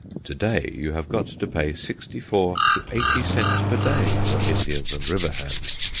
To day you have got to pay sixty four to eighty cents per day for Indians and river hands.